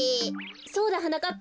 そうだはなかっぱ。